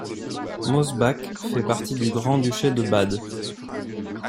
Mosbach fit partie du Grand Duché de Bade.